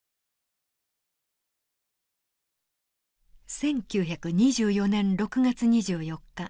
１９２４年６月２４日。